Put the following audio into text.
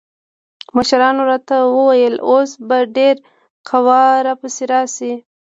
مشرانو راته وويل اوس به ډېره قوا را پسې راسي.